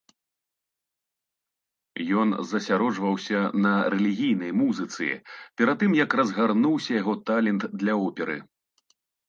Ён засяроджваўся на рэлігійнай музыцы, перад тым як разгарнуўся яго талент для оперы.